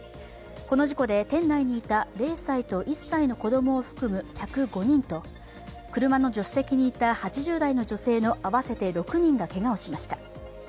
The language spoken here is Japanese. この事故で店内にした０歳と１歳の子供を含む客５人と、車の助手席にいた８０代の女性の合わせて６人がけがをしました。